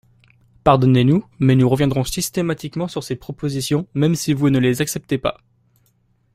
Pardonnez-nous, mais nous reviendrons systématiquement sur ces propositions, même si vous ne les acceptez pas.